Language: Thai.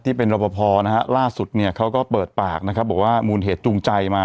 ที่เป็นรบพอนะฮะล่าสุดเนี่ยเขาก็เปิดปากนะครับบอกว่ามูลเหตุจูงใจมา